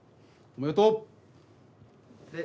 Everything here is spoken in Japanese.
おめでとうね。